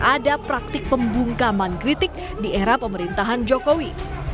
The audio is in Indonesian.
ada praktik pembungkaman kritik di era pemerintahan jokowi